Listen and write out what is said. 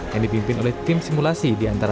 yang dipimpin oleh tim simulasi di antaranya